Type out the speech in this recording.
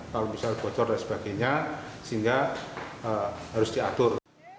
kalau misalnya bocor dan sebagainya sehingga harus diatur